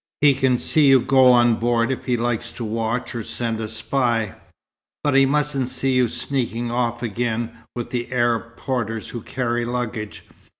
He can see you go on board if he likes to watch or send a spy. But he mustn't see you sneaking off again with the Arab porters who carry luggage.